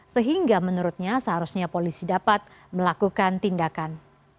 sehingga menurutnya seharusnya polisi dapat melakukan tindakan